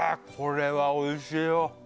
これはおいしいよ